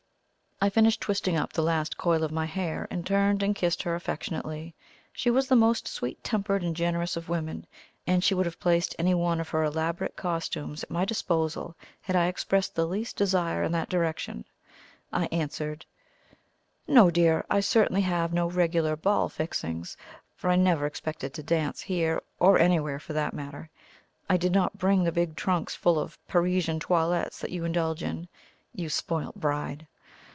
I finished twisting up the last coil of my hair, and turned and kissed her affectionately. She was the most sweet tempered and generous of women, and she would have placed any one of her elaborate costumes at my disposal had I expressed the least desire in that direction. I answered: "No, dear; I certainly have no regular ball 'fixings,' for I never expected to dance here, or anywhere for that matter. I did not bring the big trunks full of Parisian toilettes that you indulge in, you spoilt bride!